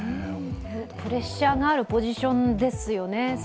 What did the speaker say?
プレッシャーがあるポジションですよね。